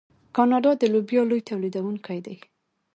کاناډا د لوبیا لوی تولیدونکی دی.